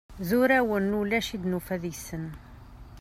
D urawen n ulac i d-nufa deg-sen.